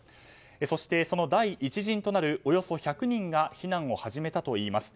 そして、その第１陣となるおよそ１００人が避難を始めたといいます。